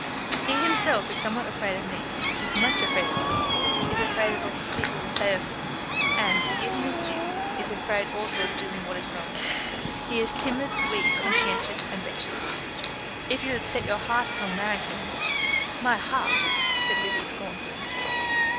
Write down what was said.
"He himself is somewhat afraid of me, is much afraid of you; is afraid of what people will say of him; and, to give him his due, is afraid also of doing what is wrong. He is timid, weak, conscientious, and wretched. If you have set your heart upon marrying him " "My heart!" said Lizzie scornfully.